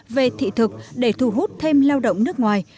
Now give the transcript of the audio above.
về thị thực để thu hút thêm lao động nước ngoài